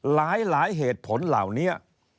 หลายเหตุผลเหล่านี้